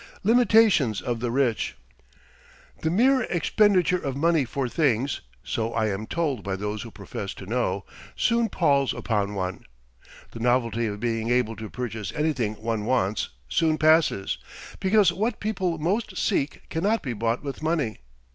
LIMITATIONS OF THE RICH The mere expenditure of money for things, so I am told by those who profess to know, soon palls upon one. The novelty of being able to purchase anything one wants soon passes, because what people most seek cannot be bought with money.